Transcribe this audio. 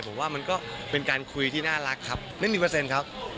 ผมว่ามันก็เป็นการคุยที่น่ารักครับไม่มีเปอร์เซ็นต์ครับ